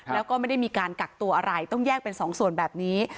แล้วก็ไม่ได้มีการกักตัวอะไรต้องแยกเป็นสองส่วนแบบนี้